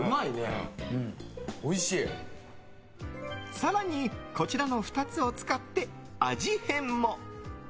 更に、こちらの２つを使って味変も。